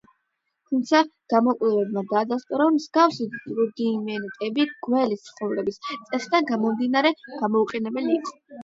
თუმცაღა გამოკვლევებმა დაადასტურა, რომ მსგავსი რუდიმენტები, გველის ცხოვრების წესიდან გამომდინარე, გამოუყენებელი იყო.